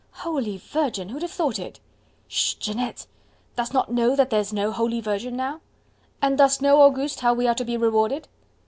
"Holy Virgin, who'd have thought it?" "Sh... Jeanette, dost not know that there's no Holy Virgin now?" "And dost know, Auguste, how we are to be rewarded?"